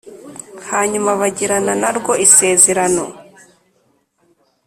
hanyuma bagirana na rwo isezerano,